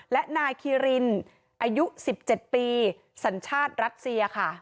และนายคีรินอายุ๑๗ปีสัญชาติรัสเซียค่ะ